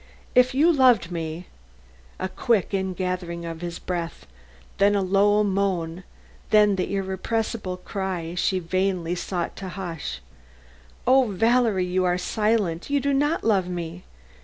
If you loved me " A quick ingathering of his breath, then a low moan, then the irrepressible cry she vainly sought to hush, "O Valerie, you are silent! You do not love me!